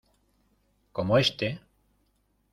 como este.